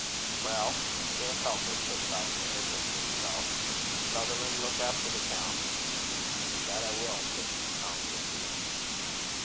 "Well, I can't help it," said Falconer, as if to himself. "Sutherland, look after the count." "That I will," said Hugh, confidently.